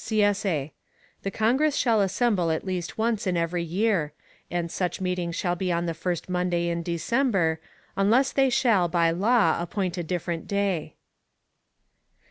[CSA] The Congress shall assemble at least once in every year; and such meeting shall be on the first Monday in December, unless they shall, by law, appoint a different day.